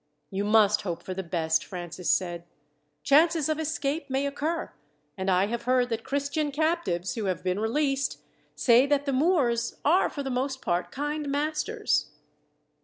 "You must hope for the best," Francis said. "Chances of escape may occur, and I have heard that Christian captives, who have been released, say that the Moors are for the most part kind masters."